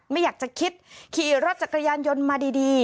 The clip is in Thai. ไม่อยากจะคิดขี่รถจักรยานยนต์มาดี